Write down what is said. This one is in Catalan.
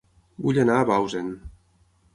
Vull anar a Bausen